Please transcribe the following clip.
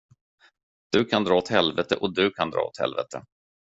Du kan dra åt helvete och du kan dra åt helvete!